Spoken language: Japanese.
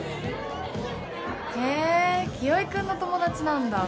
へえ清居君の友達なんだ。